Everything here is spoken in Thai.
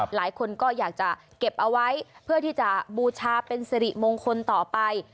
หลายคนก็อยากจะเก็บเอาไว้เพื่อที่จะบูชาเป็นสิริมงคลต่อไป